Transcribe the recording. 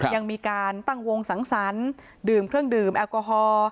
ยังมีการตั้งวงสังสรรค์ดื่มเครื่องดื่มแอลกอฮอล์